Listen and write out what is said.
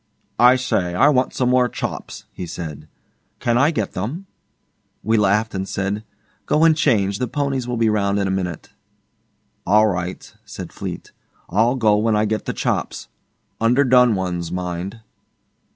'I say, I want some more chops,' he said. 'Can I get them?' We laughed and said, 'Go and change. The ponies will be round in a minute.' 'All right,' said Fleete. I'll go when I get the chops underdone ones, mind.